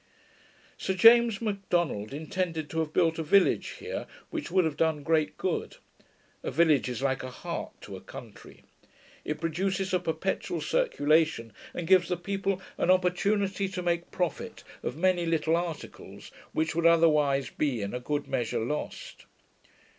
Sir James Macdonald intended to have built a village here, which would have done great good. A village is like a heart to a country. It produces a perpetual circulation, and gives the people an opportunity to make profit of many little articles, which would otherwise be in a good measure lost.